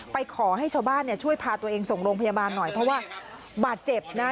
ขอให้ชาวบ้านเนี่ยช่วยพาตัวเองส่งโรงพยาบาลหน่อยเพราะว่าบาดเจ็บนะ